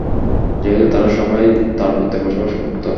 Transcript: যেহেতু তারা সবাই তাঁবুতে বসবাস করত।